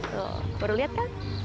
tuh baru lihat kan